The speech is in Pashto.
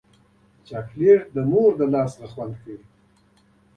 چاکلېټ د مور له لاسه خوند لري.